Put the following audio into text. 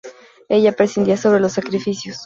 Ella presidía sobre los sacrificios.